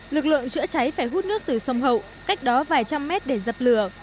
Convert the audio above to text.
lực lượng chữa cháy phải hút nước từ sông hậu cách đó vài trăm mét để dập lửa